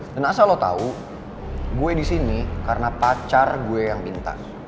dan asal lo tau gue disini karena pacar gue yang minta